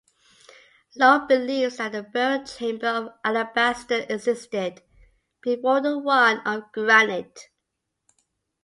Lauer believes that a burial chamber of alabaster existed before the one of granite.